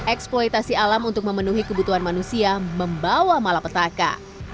eksploitasi alam untuk memenuhi kebutuhan manusia membawa malapetaka